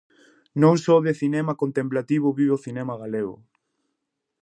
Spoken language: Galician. Non só de cinema contemplativo vive o cinema galego.